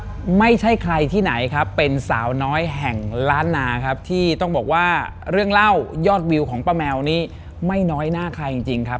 ไม่ใช่ใครที่ไหนครับเป็นสาวน้อยแห่งล้านนาครับที่ต้องบอกว่าเรื่องเล่ายอดวิวของป้าแมวนี้ไม่น้อยหน้าใครจริงครับ